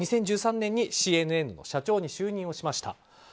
２０１３年にＣＮＮの社長に就任しました。